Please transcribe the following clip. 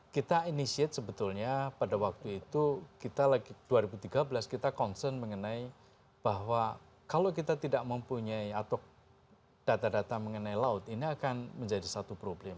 kita initiate sebetulnya pada waktu itu kita lagi dua ribu tiga belas kita concern mengenai bahwa kalau kita tidak mempunyai atau data data mengenai laut ini akan menjadi satu problem